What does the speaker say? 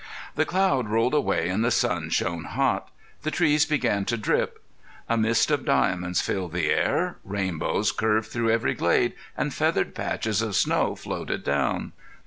The cloud rolled away and the sun shone hot. The trees began to drip. A mist of diamonds filled the air, rainbows curved through every glade and feathered patches of snow floated down.